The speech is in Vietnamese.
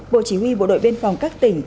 bộ chỉ huy bộ đội biên phòng các tỉnh